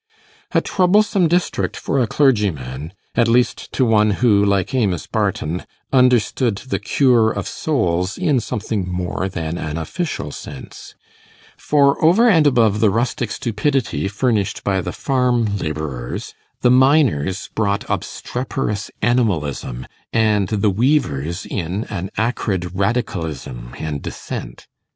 A troublesome district for a clergyman; at least to one who, like Amos Barton, understood the 'cure of souls' in something more than an official sense; for over and above the rustic stupidity furnished by the farm labourers, the miners brought obstreperous animalism, and the weavers an acrid Radicalism and Dissent.